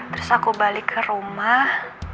terus aku balik ke rumah